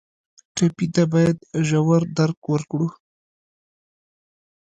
ټپي ته باید ژور درک ورکړو.